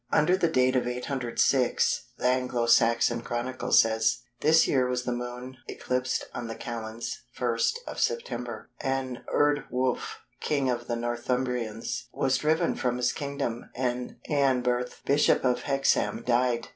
Under the date of 806 the Anglo Saxon Chronicle says:—"This year was the Moon eclipsed on the Kalends [1st] of September; and Eardwulf, King of the Northumbrians, was driven from his kingdom, and Eanberht, Bishop of Hexham, died."